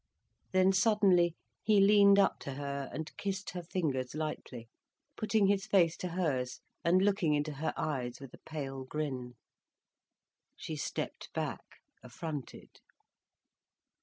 Then suddenly he leaned up to her and kissed her fingers lightly, putting his face to hers and looking into her eyes with a pale grin. She stepped back, affronted.